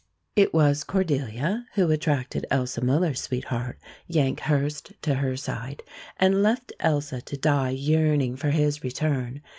It was Cordelia who attracted Elsa Muller's sweetheart, Yank Hurst, to her side, and left Elsa to die yearning for his return.